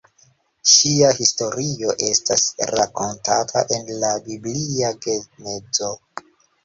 Ŝia historio estas rakontata en la biblia genezo.